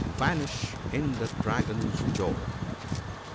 Vanish in the dragorisjaw.